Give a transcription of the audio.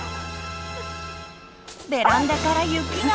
ベランダから雪が。